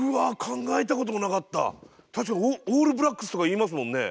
うわ確かにオールブラックスとかいいますもんね。